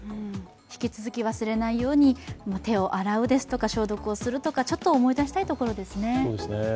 引き続き、忘れないように手を洗うですとか消毒をするとか、ちょっと思い出したいところですね。